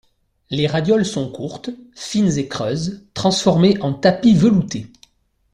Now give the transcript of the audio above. Les radioles sont courtes, fines et creuses, transformées en tapis velouté.